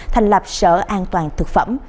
thành lập sở an toàn thực phẩm